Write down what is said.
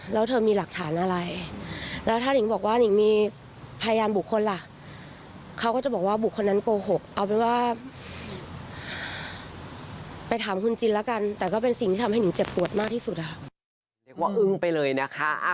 เรียกว่าอึ้งไปเลยนะคะ